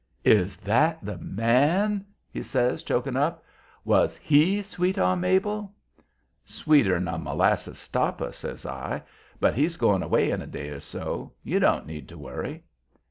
"Is that the man?" he says, choking up. "Was HE sweet on Mabel?" "Sweeter'n a molasses stopper," says I. "But he's going away in a day or so. You don't need to worry."